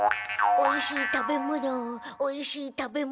おいしい食べ物おいしい食べ物。